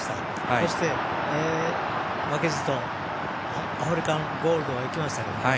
そして、負けずとアフリカンゴールドがいきましたけどね。